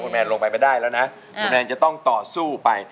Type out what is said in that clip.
แมนลงไปไม่ได้แล้วนะคุณแอนจะต้องต่อสู้ไป